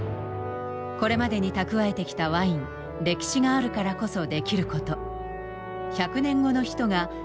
これまでに蓄えてきたワイン歴史があるからこそできること。